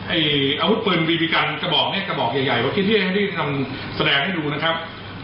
ไอ้อาวุธปืนบีบีกันกระบอกเนี้ยกระบอกใหญ่เมื่อกี้ที่ให้ทำแสดงให้ดูนะครับ